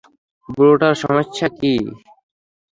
বুড়োটার সমস্যা কী?